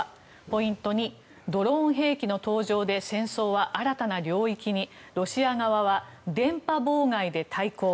ポイント２ドローン兵器の登場で戦争は新たな領域にロシア側は電波妨害で対抗。